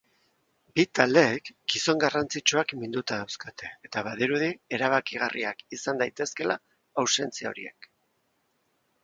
Bi taldeek gizon garrantzitsuak minduta dauzkate eta badirudi erabakigarriak izan daitezkeela ausentzia horiek.